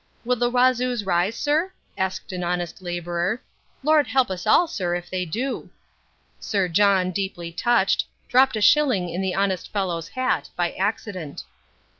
"Will the Wazoos rise, sir?" asked an honest labourer. "Lord help us all, sir, if they do." Sir John, deeply touched, dropped a shilling in the honest fellow's hat, by accident.